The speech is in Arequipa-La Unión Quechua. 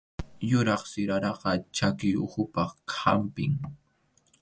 Yuraq siraraqa chʼaki uhupaq hampim